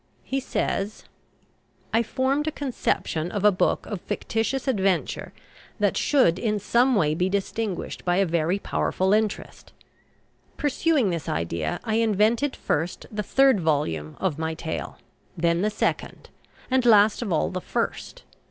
He says: "I formed a conception of a book of fictitious adventure that should in some way be distinguished by a very powerful interest. Pursuing this idea, I invented first the third volume of my tale, then the second, and, last of all, the first.